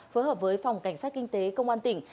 phối hợp với phòng cảnh sát kinh tế công an tỉnh